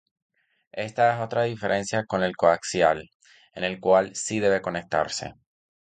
Esta es otra diferencia con el coaxial, en el cual sí debe conectarse.